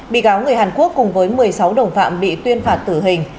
bị cáo người hàn quốc cùng với một mươi sáu đồng phạm bị tuyên phạt tử hình